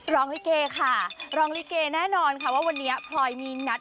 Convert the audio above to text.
ลิเกค่ะร้องลิเกแน่นอนค่ะว่าวันนี้พลอยมีนัด